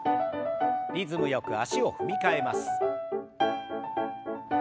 リズムよく足を踏み替えます。